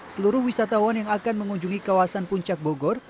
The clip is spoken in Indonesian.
seluruh wisatawan yang akan mengunjungi kawasan puncak bogor